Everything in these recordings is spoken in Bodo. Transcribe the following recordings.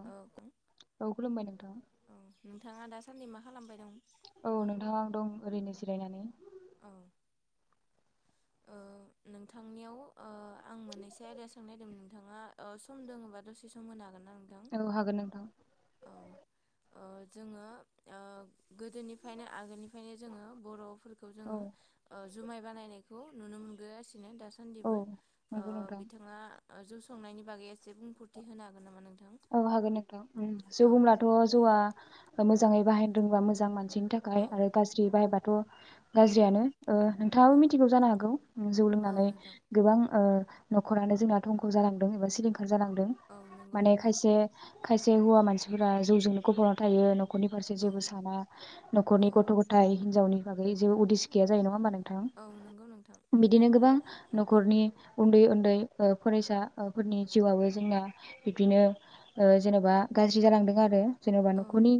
औ औ खुलुमबाय नोंथां साननि मा खालामबाय दं औ नोंथाङा दं ओरैनो जिरायनानै औ ओ नोंथांनियाव अ आं मोननैसो आयदा सोंनो नागिरदोंमोन नोंथाङा सम दोङबा दसे सम होनो हागोनामा औ हागोन नोंथां अ जोङो अ गोदोनिफ्रायनो आगोलनिफ्रायनो जोङो बर'फोरखौ औ जोङो अ जुमाय बानायनाय खौ नुनो मोनबागासि बिनो औ दासान्दिबो अ नंगौ नोंथां बिथाङा अ जौ संनायनि बागै एसे बुंफुरथि होनो हागोन नामा नोंथां औ हागोन नोंथां ओम जौ औ बुंब्लाथ' जौआ मोजां मोजाङै बाहाय रोंबा मोजां मान सिनि औ थाखाय आरो गाज्रि बाय बाथ द' औ गाज्रियानो ओ औ नोंथाङाबो मिथिगौ जानो हागौ जौ औ लोंनानै नोंथां गोबां ओ न'खरानो जोंनाथ' थंख जालांदों एबां सिलिं जानांदों औ नंगौ माने नोंथां खायसे हौवा मानसिफोरा जौजोंनो गबना थायो न'खरनि फारसे औ जेबो साना औ न'खरनि गथ' गथाय हिनजावनि बागै जेबो उदिस गैया जायो नङा होनबा नों थां औ नंगौ नोंथां बिदिनो गोबां न'खरनि उन्दै उन्दै ओ फरायसा ओ फोरनि जिउआबो जोंना बिब्दिनो ओ जेनेबा गाज्रि जालांदों आरो जेन'बा औ नखरनि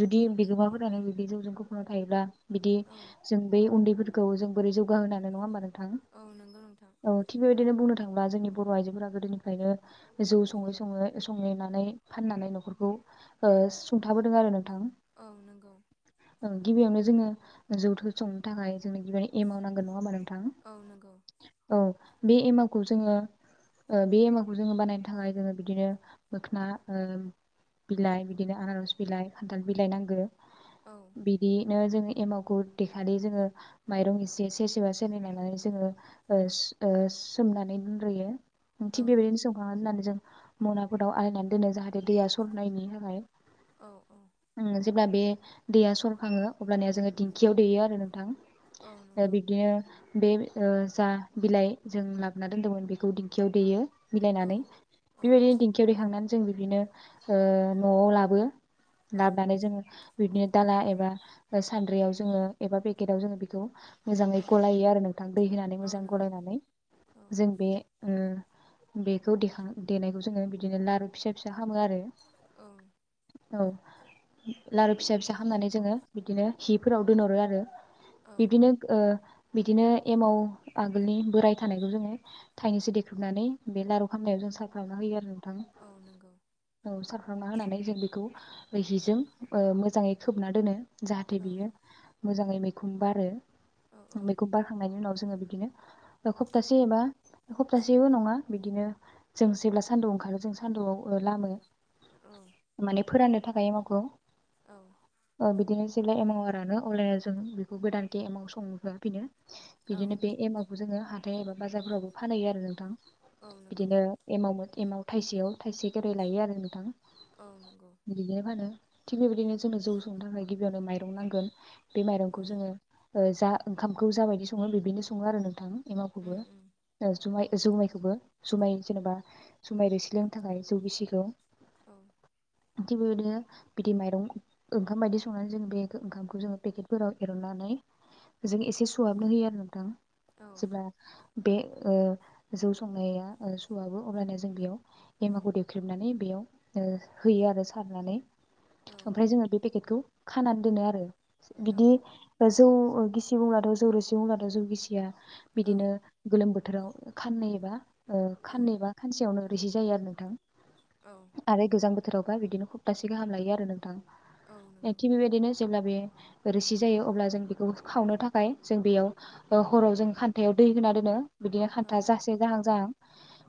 जुदि बिगोमाफोरानो बिदि जौजों गफबना थायोब्ला बिदि औ जों बै उन्दैफोर खौ जों बोरै जौगाहोनो हानो नङा होनबा नों थां औ नंगौ नोंथां औ बिदिनो बुंनो थाङोब्ला जोंनि बर' आइजोफोरा गोदोनिफ्रायनो जौ सङै सङै संहोनानै फाननानै न'खरखौ ओ सुंथाबोदों आरो नोंथां। औ नंगौ। ओं गिबियावनो जोङो जौथो संनो थाखाय जोंनो गिबियावनो एमाउ नांगोन नङा होनबा नों थां? औ नंगौ औ बे एमावखौ जोङो ओ बे एमावखौ जोङो बानायनो थाखाय जोङो बिदिनो मोखोना ओ बिलाइ बिदिनो आनारस बिलाइ, खान्थाल बिलाइ नांगौ। औ बिदि नो जोङो एमावखौ देखालि जोङो माइरं एसे सेरसेबा सेरनै लानानै जोङो ओ ओ सोमनानै दोनग्रोयो। औ थिग बेबायदिनो संखांनानै माने जों मनाफोराव आलायनानै दोनो जाहाथे दैया सरनायनि थाखाय। औ औ। उम जेब्ला बे दैया सरखाङो अबब्लानिया जोङो दिंखियाव देयो आरो नोंथां। औ ओ नंगौ बिदिनो बे ओ जा बिलाइ जों लाबोना दोनदोंमोन बेखौ दिंखियाव देयो औ मिलायनानै। औ बेबायदिनो दिंखियाव देखांनानै जों बिदिनो ओ न'आव लाबोयो। औ लाबोनानै जोङो बिदिनो दाला एबा सानद्रियाव जोङो एबा पेकेटाव जोङो बेखौ मोजाङै औ गलायो आरो नोंथां, दै होनानै औ मोजां नंगौ गलायनानै औ जों बे ओ बेखौ दिखां देनायखौ जोङो बिदिनो लारु फिसा फिसा खालामो आरो। औ। औ लारु फिसा फिसा खालामनानै जोङो बिदिनो हिफोराव दोनहरो आरो। औ बिदिनो ओ बिदिनो एमाव आगोलनि बोराय थानायखौ जोङो थाइनैसो देख्रुबनानै बे लारु खामनायाव जों सारो खावना होयो आरो नों औ नंगौ थां। औ सा सावना होनानै जों बेखौ ऐ हिजों मोजाङै खोबना दोनो। जाहाथे औ बियो मोजाङै मैखुम बारो। औ औ बेखौ बारखांनायनि उनाव जोङो बिदिनो हप्तासे एबा हप्तासेबो नङा, बिदिनो जों जेब्ला सान्दुं ओंखारो जों सान्दुआव ओ लामो। औ माने फोराननो थाखाय एमावखौ औ ओ बिदिनो जेब्ला एमावा रानो अब्लानिया जों बेखौ गोदानके एमाव संहोफिनो। बिदिनो बे एमावखौ जोङो हा थाय एबा बाजारफोरावबो फानहैयो आरो नोंथां। औ नंगौ। बिदिनो एमाव मो एमाव थाइसेयाव थाइसे खेरै लायो आरो नोंथां। औ नंगौ बिदिनो फानो। थिग बेबायदिनो जोंनो जौ संनो थाखाय गिबियावनो माइरं नांगोन। बे औ माइरंखौ जोङो ओ जा ओंखामखौ जाबायदि सङो बिबिनो सङो आरो नोंथां। उम एमावखोबो। उम जुमाय जुमायखौबो जुमाय जेनेबा जुमाय रोसि लोंनो थाखाय जौ गिसिखौ। औ। थिग बेबायदिनो बिदि माइरं ओंखाम बायदि संनानै जों बे ओंखामखौ जोङो पेकेटफोराव एरननानै जों एसे सुहाबनो होयो आरो नोंथां। औ जेब्ला बे ओ जौ संनाया ओ सुहाबो। अब्लानिया जों बेयाव एमावखौ देख्रेबनानै बेयाव ओ होयो आरो सारनानै। औ ओमफ्राय जोङो बे पेकेटखौ खानान दोनो आरो। औ बिदि जौ गिसि बुंब्लाथ' जौ रोसि बुंब्लाथ' जौ गिसिया औ बिदिनो गोलोम बोथोराव खाननै एबा ओ खाननै बा सेयावनो रोसि जायो आरो नोंथां औ आरो गोजां बुथुरावबा बिदिनो सप्तासे गाहाम लायो आरो नोंथां औ नंगौ एखे बेबादिनो जब्ला बे रोसि जायो अब्ला जों बेखौ खावनो थाखाय जों बेयाव ओ हराव जों खान्थायाव दै होना दोनो बिदि औ खान्थाजासे जाहां जाहां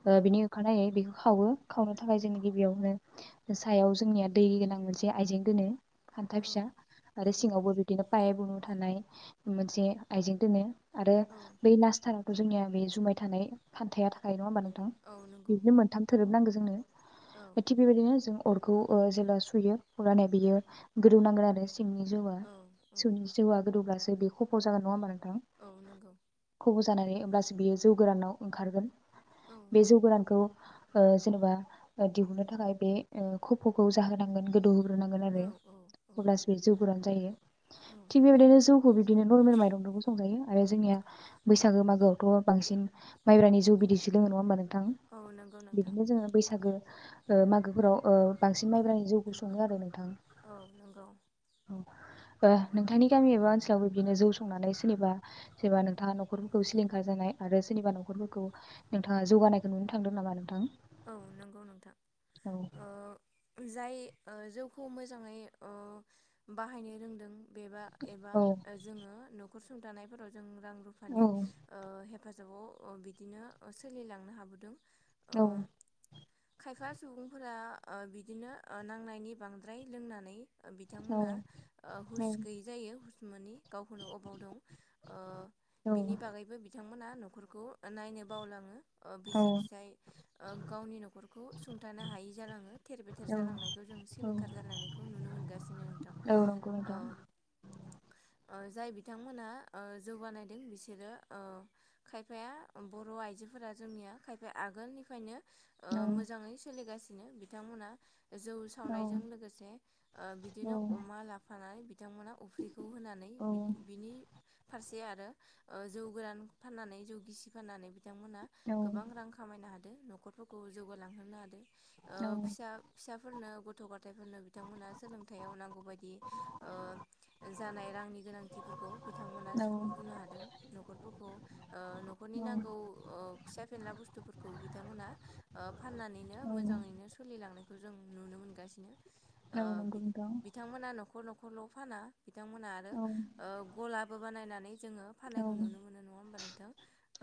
ओ बिनि होखारनायै बेखौ खावो खावनो थाखाय जोंनि गिबियावनो सायाव जोंनिया दै गोनां मोनसे आइजें गोनो। औ हान्था फिसा आरो सिङावबो बिदिनो पाय बुङो। थानाय मोनसे आइजें दोनो। आरो बै नास्टारा। जोंनिया बे जुमाय थानाय फान्थाया थाखाय नङा होमबा नोंथां। औ नंगौ बिदिनो मोनथाम थोरोबनांगोन। जोंनो। औ थिग बेबायदिनो जों। अरखौ ओ जेब्ला सुयो अरनानै बियो गोदौनांगोन आरो। सिंनि जौआ औ औ संनि जौआ गोदौ गा। बे खफ' जागोन नङा होमबा नोंथां? औ नोंगौ। खफ' जानानै अब्लासो बियो जौ गोरानाव ओंखारगोन। औ। बे जौगोरानखौ ओ जेनेबा दिहुननो थाखाय बे ओ खफ'खौ जाहोनांगोन। दौ होग्रोनांगोन औ आरो औ अब्लासो बे जौफोरानो जायो औ थिग बेबायदिनो जौखौ बिदिनो नरमेल माइरंजोंबो संजायो। आरो जोंनिया बैसागो मागोआवथ' बांसिन माइब्रानि जौ बिदैसो लोङो नङा होनोमबा नों। थां औ नंगौ नोंथां बिदिनो जोङो बैसागो। ओ मागोफोराव ओ बांसिन माइब्रानि जौखौ सङो आरो नों। थां औ नंगौ औ। आ नोंथांनि गामि एबा ओनसोलावबो बिदिनो जौ संनानै सोरनिबा सोरबा नोंथाङा न'खरफोरखौ सिलिंखार जानाय आरो सोरनिबा न'खरफोरखौ नोंथाङा जौगानाय। नुनो थांदों नामा नोंथां। औ नंगौ नोंथां। औ ओ जाय ओ जौखौ मोजाङै ओ बाहायनो रोंदों। बेबा एबा औ ओ जोङो। खर सुंथानायफोराव जों। रां रुफानि औ ओ हे। फाजाबाव ओ बिदिनो ओ सोलिलांनो हाबोदों। औ। ओ खायफा सुबुंफोरा ओ बिदिनो ओ नांनायनि बांद्राय लोंनानै। बिथांमोनहा ओ हुस गैयै जायो हुस मोनि गावखौनो अबाव दन औ बिनि बागैबो बिथांमोना न'खरखौ ओ नायनो बावलाङो ओ बिसि औ फिसाय गावनि न'खरखौ सुंथानो हायि जालाङो थेर बेथेर औ जालांनायखौ जों सिलिंखार जालांनायखौ नुनो मोनगासिनो नोंथां औ नंगौ नोंथां औ जाय बिथांमोना जौगानायदों बिसोरो ओ खायफाया बर' आइजोफोरा जोंनिया खायफाया आगोलनि ओंखायनो मोजाङै सोलिगासिनो बिनो बिथांमोना जौ औ सावनायजों लोगोसे बिदिनो अमा लाफानानै बिथांमोना अफ्रिखौ होनानै औ बिनि फारसे आरो जौ गोरान फाननानै जौ गिसि फाननानै बिथांमोनहा औ गोबां रां खामायनो हा दो न'खरफोरखौ जौगालांहोनो हादो। फिसा फिसाफोरनो गथ' ग थायफोरनो बिथांमोना सोलोंथाइयाव नांगौ बायदि जानाय रांनि गोनांथिफोरखौ बिथांमोना सुफुंबोनो हादों न'खरफोरखौ न'खरनि नांगौ फिसा फेनला बुस्थुफोरखौ बिथांमोना फाननानैनो मोजाङैनो सोलिलाङो बेफोरखौ जों नुनो मोनगासिनो ओ औ नंगौ नोंथां। बिथांमोना न'खर न'खर फल' फाना बिथांमोनहा आरो औ गलाबो बानायनानै जोङो औ फाननायखौ नुनो मोनो नङा होमबा नोंथां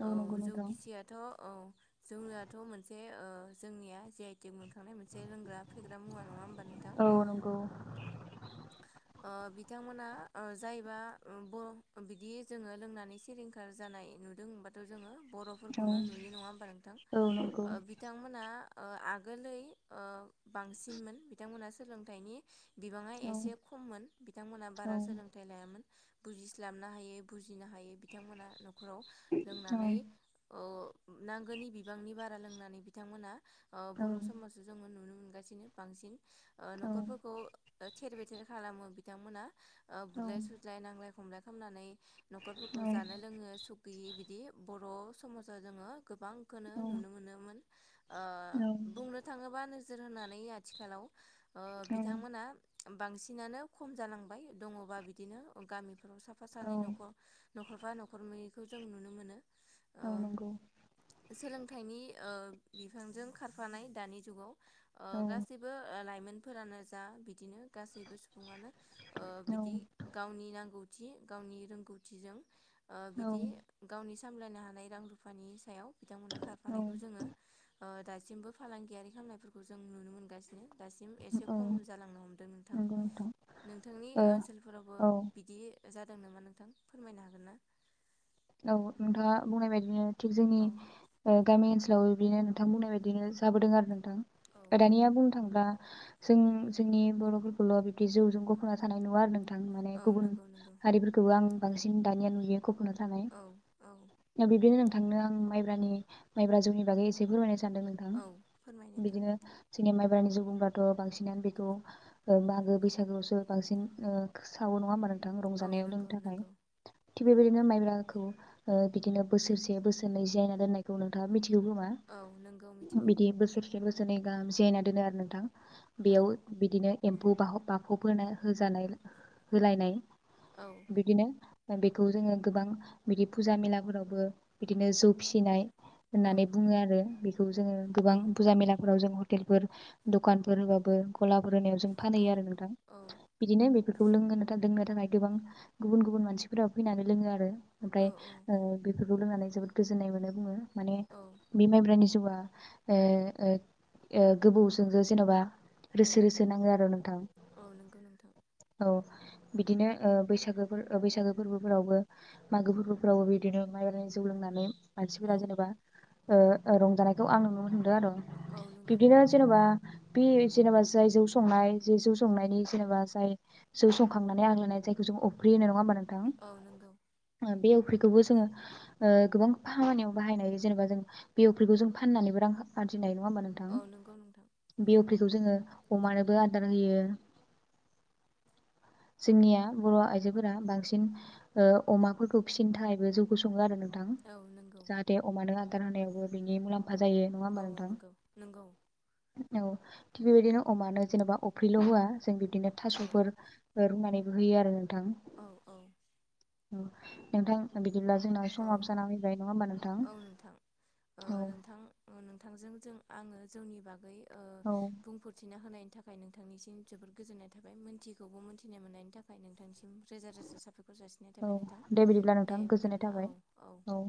औ नंगौ जौ नोंथां। गिसियाथ' औ जोंनाथ' मोनसे जोंनिया जि आइ टेक मोनखांनाय मोनसे लोंग्रा फेग्रा मुवा नङा होमबा नोंथां औ नंगौ। बिथांमोना जायबा बर' बिदि जोङो लोंनानै सिलिंखार जानाय नुदों होनबाथ' जोङो औ बर'फोरखौनो नुयो नङा होमबा औ नंगौ। औ नंगौ। बिथांमोना आगोलै बांसिनमोन बिथांमोनहा सोलोंथाइनि बिबाङा औ एसे खममोन बिथांमोनहा बारा सोलोंथाइ लायामोन बुजिस्लाबनो हायै बुजिनो हायै बिथांमोना न'खराव औ लोंनानै ओ नांगोनि बिबांनि बारा लोंनानै बिथांमोनहा बर' समाजाव जोङो नुनो मोन गासिनो बांसिन न'खरफोरखौ थेर बेथेर खालामो बिथांमोना ओ बुलाय सोलाय नांलाय खमलाय खालामनानै न'खरफोरखौ जानो लोंनो सुखगैयि बिदि बर' समाजा जोङो गोबां खौनो नुनो मोनोमोन। ओ बुंनो थाङोबा नो नोजोर होनानै आथिखालाव ओ बिथांमोना बांसिनानो खम जालांबाय दङबा बिदिनो गामि साफा सानै न'खर न'खरफा न'खरनैखौ जों नुनो मोनो। ओ औ नोंगौ सोलोंथाइनि ओ बिफांजों खारफानाय दानि जुगाव ओ गासिबो लाइमोन सुबुंफोरानो जा बिदिनो गासैबो सुबुंआनो ओ बिदि गावनि नांगौ गावनि रोंगौथिजों ओ बिदि औ गावनि सा सामलायनो हानाय रां रुफानि सायाव बिथांमोनहा खारफानायखौ जोङो दासिमबो फालांगियारि खामनायफोरखौ जों नुनो मोनगासिनो दासिम एसे औ खम जालांनो हमदों नोंथां नोंथांनि ओ ओनसोलफोरावबो औ बिदि जादों नामा नोंथां फोरमायनो हागोन ना? औ नोंथाङा बुंनाय बायदिनो थिग जोंनि औ ओ गामि औ बिदिनो नोंथां बुंनाय बायदिनो जाबोदों आरो ओं गोदानिया बुंनो थाङ दा जों जोंनि बर'फोरखौल' बिबदि जौजों गफ'ना थानाय नुया आरो नोंथां आं माने औ गुबुन नंगौ नंगौ हारिफोरखौ आं बांसिन दानिया नुयो गफ'ना थाना औ औ ए बिदिनो थांनो आं माइब्रानि माइब्रा जौनि बागै एसे फोरमायनो सै स नोंथां औ फोरमाय नोंथां बिदिनो सिनेम माइब्रा नि जौ बुंब्लाथ' बांसिनानो बेखौ मागो बैसागोआवसो ओ बांसिन सावो नङा मानोन गोबां औ रंजानायाव नंगौ लोंनो थाखाय नंगौ थिग बेबायदिनो माइब्रा बिदिनो बोसोरसे बोसोरनै जायना दोननायखौ नोंथाङा मि बिमा औ नंगौ मिथिगौ बिदि बोसोरसे बोसोर जनि गाहाम जियायना दोनो आरो नोंथां औ बेयाव बिदिनो एम्फौ ब बाखबोन होजानाय होलायनाय औ बिदिनो बेखौ जोङो गोबां बिदि फुजा मेलाफोरावबो बिदिनो जौ फिसिनाय औ होननानै बुङो आरो बेखौ खौ जोङ गोां औ बुजा मेलाफोराव जों हर ह'तेलफोर दखानफोर होबाबो गला जेनेबा जों औ फानहैयो आरो नोंथां बिदिनो बेफोरखौ लोंङो ना द आरो थाखाय गोबां गुबुन गुबुन मानसिफोरा फैनानै लोङो आरो बेखौ लोंनानै जोबोद गोजोन्नाय मोनो बुङो माने औ बे माइब्रनि बा औ ओ ओ गोबौजोंजो जेन'बा औ रोसि रोसे नांगौ आरो नोंथां औ नंगौ नोंथां औ बिदिनो ओ बैसागो ओ बैसागो फोरबोफोरावबो मागो फोरबोफ्रावबो बिदिनो माइब्रा जौ लोंनानै मानसिफोरा औ जेनेबा ओ रंजानायखौ आं नुनो मोनहरदों आरो औ नंगौ बिदिनो नोंथां जेन'बा बे जेनेबा जाय जौ संनाय जे जौ संनायनि जेनेबा जाय जौ संखांनानै आग्लायनाय जायखौ जों अफ्रि होनो नङा होनबा नों औ नंगौ बे एवफ्रिखौबो जोङो गोबां खामानियाव बाहायनाय जेनेबा जों बे एवफ्रिखौ जों फाननानैबो रां आरजिनाय नङा हनबा औ नंगौ नोंथां जोङो अमानो आदार होयो जोंनिया बर' आइजोफोरा बांसिन ओ अमाफोरखौ फिसिनो थाखायबो जौगसङो आरो नों ां औ नंगौ जाहाथे अमानो आ खानायावबो बिनि मुलाम जायो नङा औ होमबा नोंथां। नंगौ नंगौ औ थिग बेबायदिनो अमानो जेनेबा अफ्रिल' होआ जों बिदिनो औ थास'फोर फोर रुनानैबो होयो आरो नोंथाङा। औ औ। नोंथां बि औ औ नोंथां ओ औ नोंथां नोंथांजों जों आङो जोंनि बागै ओ औ बुंफोरथिना होनायनि नि थाखाय नोंथांनिसिम जोबोद गोजोननाय थाबाय मोनथिखौबो मोनथिनाय मोननायनि थाखाय नोंथांसिम रोजा रोजा साबायखर जासिननाय थाबाय नोंथां दे जाबाय औ।